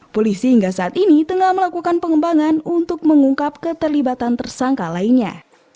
polisi hingga saat ini tengah melakukan pengembangan untuk mengungkap keterlibatan tersangka lainnya